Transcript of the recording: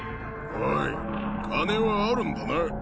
金はあるんだな？